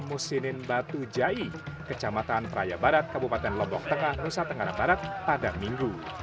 musinin batu jai kecamatan praia barat kabupaten lombok tengah nusa tenggara barat pada minggu